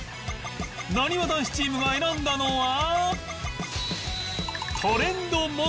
なにわ男子チームが選んだのは